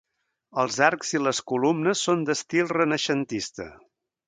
Els arcs i les columnes són d'estil renaixentista.